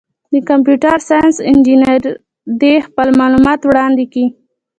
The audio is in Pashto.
د کمپیوټر ساینس انجینر دي خپل معلومات وړاندي کي.